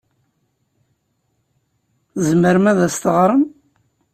Tzemrem ad as-teɣrem?